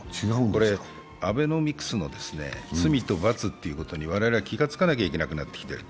これ、アベノミクスの罪と罰ということに我々は気が付かなければいけなくなってきている。